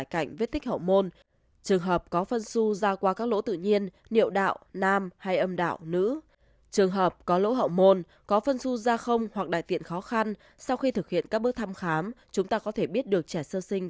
khi thực hiện các bước thăm khám chúng ta có thể biết được trẻ sơ sinh